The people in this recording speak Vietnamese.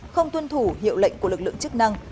không tuân thủ hiệu lệnh của lực lượng chức năng